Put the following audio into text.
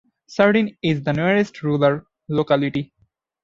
Cherdyn is the nearest rural locality.